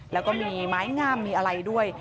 แล้วก็มีไม้งามมีอะไรด้วย